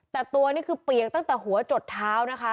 แต่ตัวนี่คือเปียกตั้งแต่หัวจดเท้านะคะ